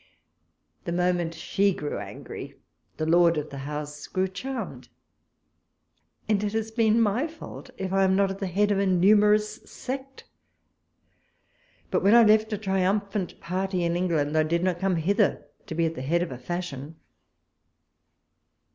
The moment she grew angry, the lord of the house grew charmed, and it has been my fault if I am not at the head of a numerous sect :— but, ■when I left a triumphant party in England, 1 did not come here to be at the head of a fashion.